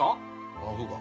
ああそうか。